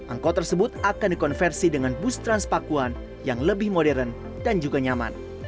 angkot tersebut akan dikonversi dengan bus transpakuan yang lebih modern dan juga nyaman